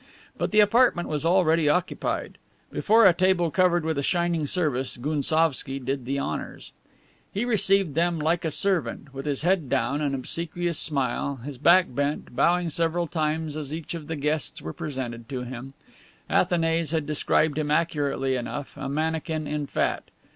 But the apartment was already occupied. Before a table covered with a shining service Gounsovski did the honors. He received them like a servant, with his head down, an obsequious smile, and his back bent, bowing several times as each of the guests were presented to him. Athanase had described him accurately enough, a mannikin in fat.